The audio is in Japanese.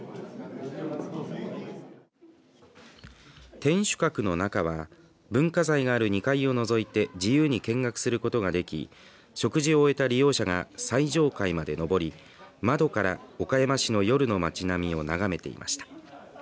天守閣の中は文化財がある２階を除いて自由に見学することができ食事を終えた利用者が最上階まで上り窓から岡山市の夜の街並みを眺めていました。